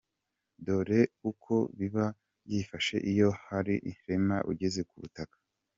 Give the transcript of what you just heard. Dore uko biba byifashe iyo Hurricane Irma ugeze ku butaka.